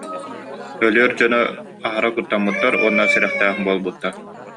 Өлүөр дьон аһара куттаммыттар уонна сэрэхтээх буолбуттар